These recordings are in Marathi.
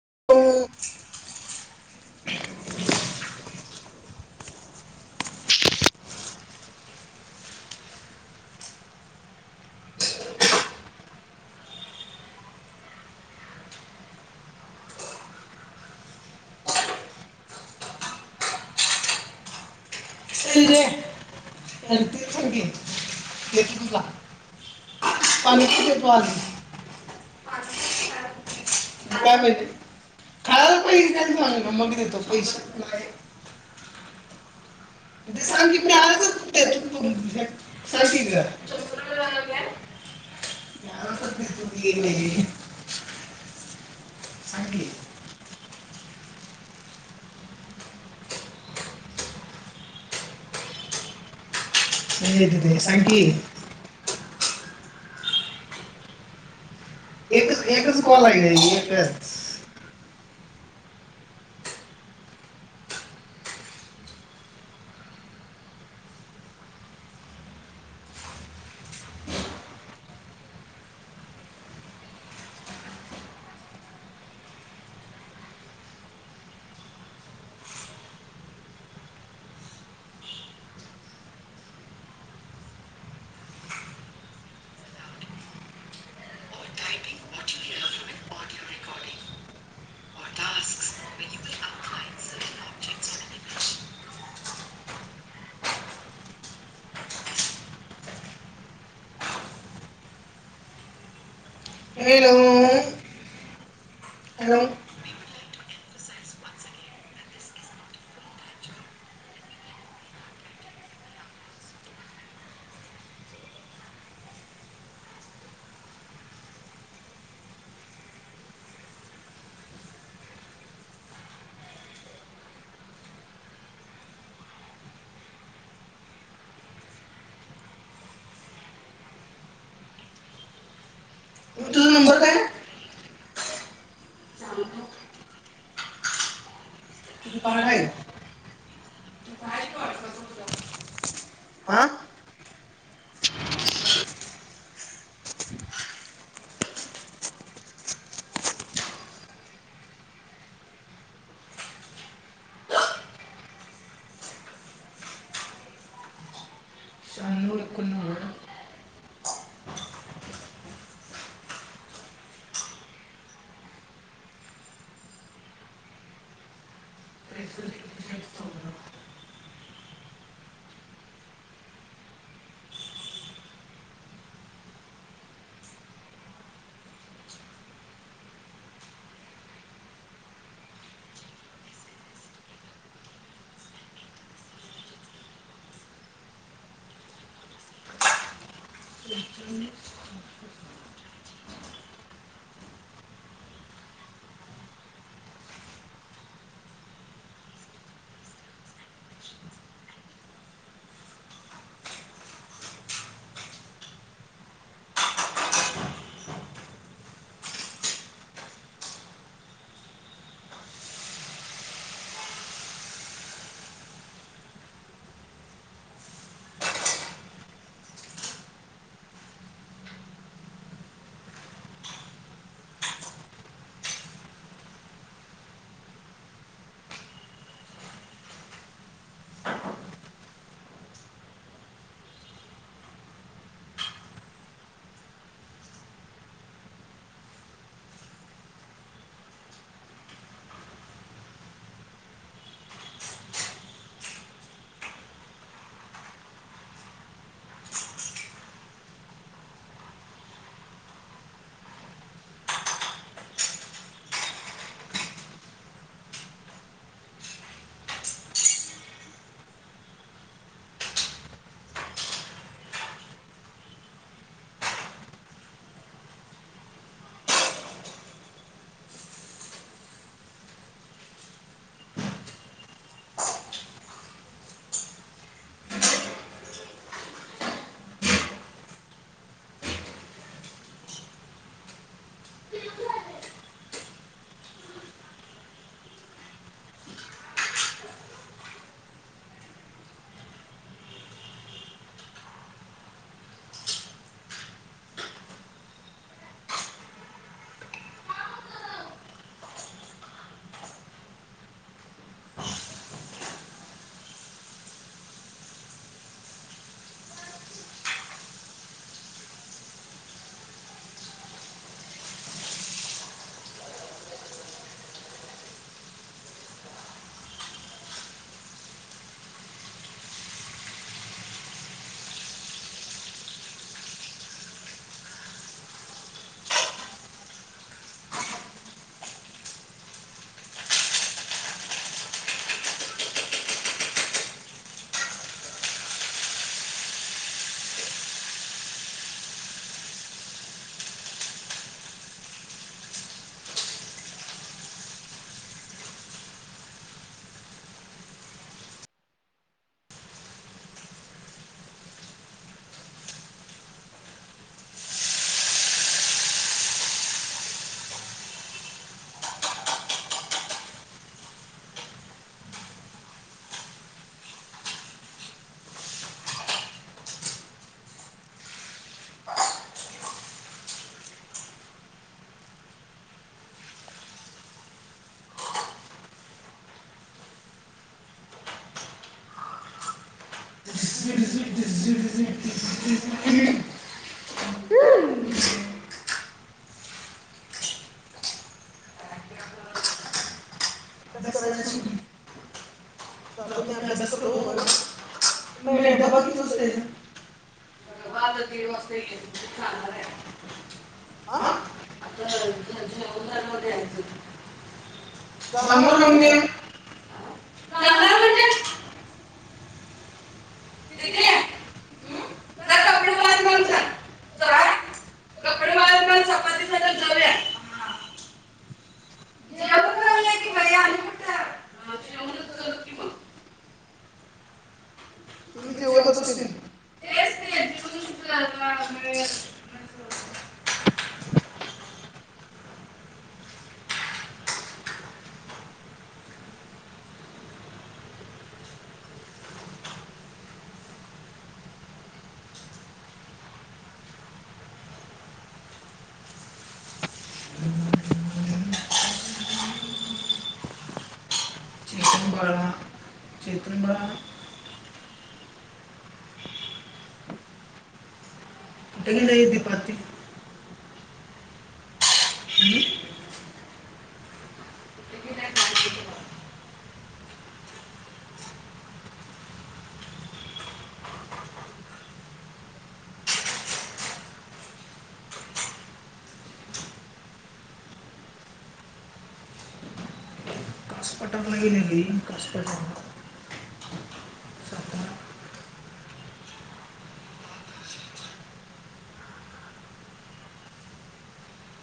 [unintelligible] [inaudible] [inaudible] [unintelligible] तुला [unintelligible] काय माहिती खायला पाहिजे काय मग देतो पैसे नाही ते सांगग ह [unintelligible] हो [unintelligible] हे देते सांग सागकी सांग की एकच, एकच कॉल राहलेली एकच [unintelligible] हेलो! [unintelligible] तुझ नंबर काय? [inaudible] ते कार्ड हाय तिथं आहेत वाटत बघ जा आं [inaudible] शहान्नव एकोन नव्वद [unintelligible] [unintelligible] [inaudible] [inaudible] [inaudible] [inaudible] [inaudible] [inaudible] [unintelligible] [unintelligible] अभ्यास कराय सोडून च- मी अभ्यास करतो वर मे डबा किती वाजता येतो, डबा आता दीड वाजता येईल मी जाणार आहे आ! आपलं झ झं राहुल दादा उद्या यायचं. [unintelligible] जाणार म्हणजे? दीदीये जा कपडे वाळत नेऊन घाल, कपडे वाळत नेऊन जेवून जाऊया की जेवून चं जाऊ. तिन जेवत असतील [unintelligible] तीथून बाळा [inaudible] कुठं बी नहीय दीपा आत्ती. कास पठार गेलीली कास पठार ला.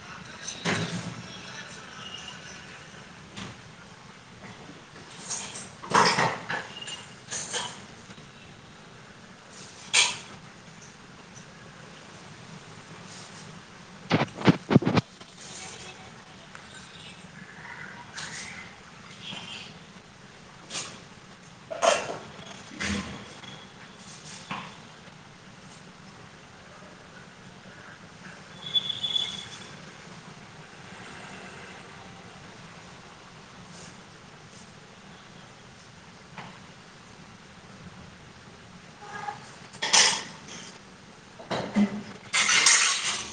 काशीच्या [unintelligible]